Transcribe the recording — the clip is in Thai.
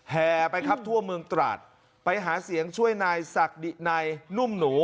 แห่ไปครับทั่วเมืองตราดไปหาเสียงช่วยนายศักดินัยนุ่มหนู